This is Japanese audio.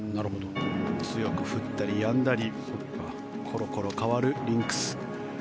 強く降ったりやんだりころころ変わるリンクス。